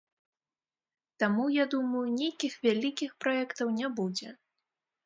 Таму, я думаю, нейкіх вялікіх праектаў не будзе.